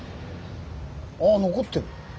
あ残ってる。